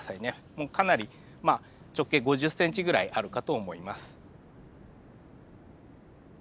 もうかなり直径５０センチぐらいあるかと思います。